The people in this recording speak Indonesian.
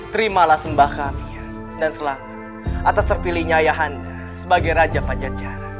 terimalah sembah kami dan selamat atas terpilihnya yahanda sebagai raja pajajar